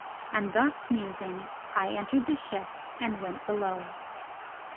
And thus musing I entered the ship and went below.